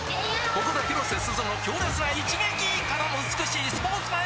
ここで広瀬すずの強烈な一撃！からの美しいスポーツマンシップ！